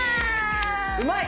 うまい！